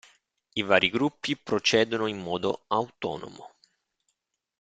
I vari gruppi procedono in modo autonomo.